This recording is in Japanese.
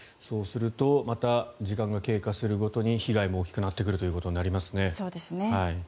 そうするとまた時間が経過するごとに被害も大きくなってくるということになりますね。